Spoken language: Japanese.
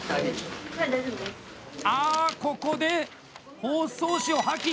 あ、ここで包装紙を破棄！